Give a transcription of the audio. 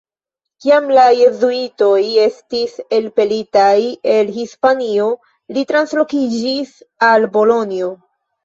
Kiam la jezuitoj estis elpelitaj el Hispanio, li translokiĝis al Bolonjo.